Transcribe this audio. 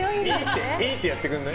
イーってやってくんない？